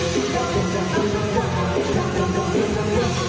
สวัสดีครับ